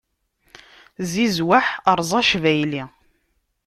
Zizweḥ, eṛẓ acbayli!